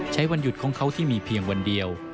วันหยุดของเขาที่มีเพียงวันเดียว